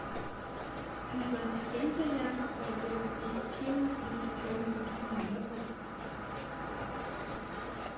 In seine Pariser Jahre fallen Werke wie "Thema, Variationen und Finale, op.